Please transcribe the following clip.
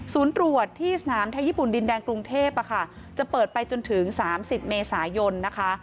ศูนย์ตรวจที่สนามแท้ญี่ปุ่นดินแดงกรุงเทพอ่ะค่ะจะเปิดไปจนถึงสามสิบเมษายนนะคะ